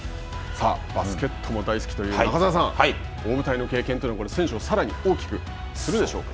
バスケットも大好きという中澤さん大舞台の経験というのは選手をさらに大きくするでしょうか。